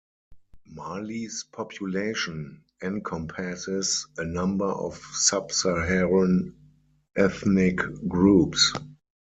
Mali's population encompasses a number of sub-Saharan ethnic groups.